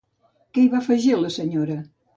Què hi va afegir la senyora?